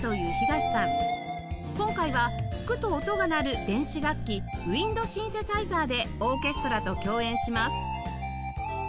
今回は吹くと音が鳴る電子楽器ウインドシンセサイザーでオーケストラと共演します